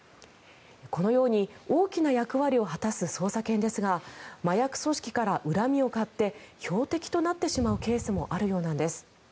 このように大きな役割を果たす捜査犬ですが麻薬組織から恨みを買って標的となってしまうケースもあるようなんです。